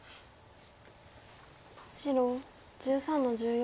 白１３の十四。